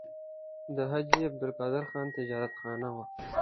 د حاجي عبدالقدیر خان تجارتخانه وه.